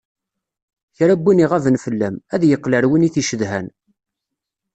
Kra win iɣaben fell-am, ad yeqqel ar win i t-icedhan.